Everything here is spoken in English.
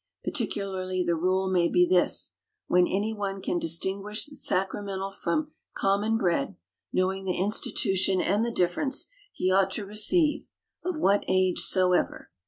Particularly the rule may be this :— When any one can distinguish the sacra mental from common bread, knowing the institution and the difference, he ought to receive, of what age soever.